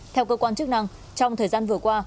theo cơ quan chức năng trong thời gian vừa qua